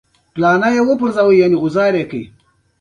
دلایلو ځای ونه نیوی.